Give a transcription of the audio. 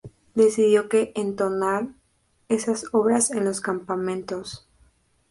decidió que entonar esas obras en los campamentos